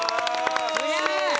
すげえ！